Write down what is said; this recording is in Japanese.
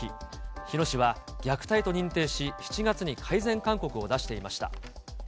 日野市は虐待と認定し、７月に改善勧告を出していました。